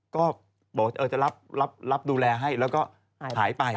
ก็บอกว่าจะรับดูแลให้แล้วก็หายไป